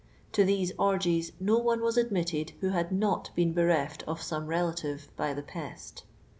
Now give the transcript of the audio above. To these orgies no one was admitted who had not been ' bereft of »omo relative by the pest.